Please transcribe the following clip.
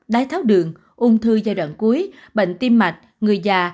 đái tháo đường ung thư giai đoạn cuối bệnh tim mạch người già